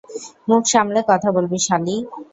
মুখ সামলে কথা বলবি, শালী।